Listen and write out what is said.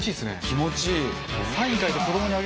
気持ちいい！